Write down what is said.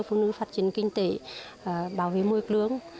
bởi vì nó là một vật truyền kinh tế bảo vệ môi cướng